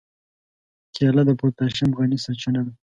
کېله د پوتاشیم غني سرچینه ده.